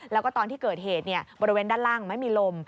แล้วก็ตอนที่เกิดเหตุบริเวณด้านล่างไม่มีลม